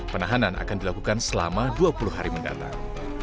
penahanan akan dilakukan selama dua puluh hari mendatang